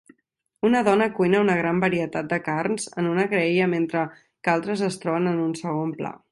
Una dona cuina una gran varietat de carns en una graella mentre que altres es troben en un segon pla.